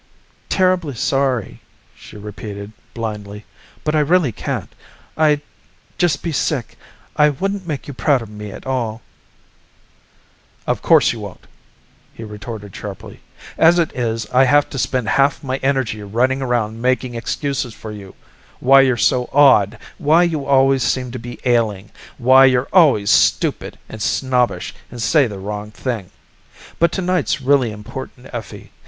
"Terribly sorry," she repeated blindly, "but I really can't. I'd just be sick. I wouldn't make you proud of me at all." "Of course you won't," he retorted sharply. "As it is, I have to spend half my energy running around making excuses for you why you're so odd, why you always seem to be ailing, why you're always stupid and snobbish and say the wrong thing. But tonight's really important, Effie.